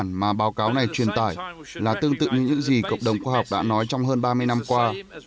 thông điệp cơ bản mà báo cáo này truyền tải là tương tự như những gì cộng đồng khoa học đã nói trong hơn ba mươi năm qua